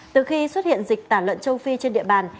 từ khi xuất hiện dịch tả lợn châu phi trên địa bàn